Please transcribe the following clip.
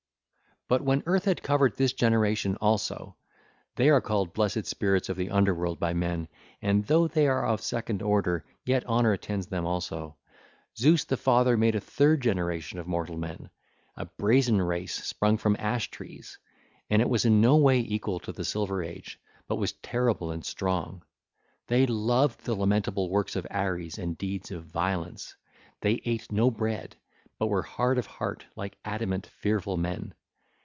(ll. 140 155) But when earth had covered this generation also—they are called blessed spirits of the underworld by men, and, though they are of second order, yet honour attends them also—Zeus the Father made a third generation of mortal men, a brazen race, sprung from ash trees 1304; and it was in no way equal to the silver age, but was terrible and strong. They loved the lamentable works of Ares and deeds of violence; they ate no bread, but were hard of heart like adamant, fearful men.